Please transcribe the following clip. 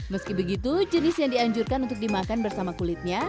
meski begitu jenis yang dianjurkan untuk dimakan bersama kulitnya